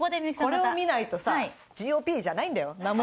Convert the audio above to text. またこれを見ないとさＧ．Ｏ．Ｐじゃないんだよ